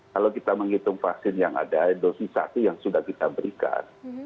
kalau kita menghitung vaksin yang ada dosis satu yang sudah kita berikan